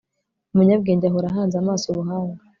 umunyabwenge ahora ahanze amaso ubuhanga